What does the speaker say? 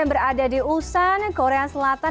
yang berada di usan korea selatan